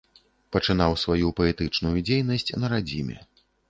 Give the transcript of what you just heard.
Пачынаў сваю паэтычную дзейнасць на радзіме.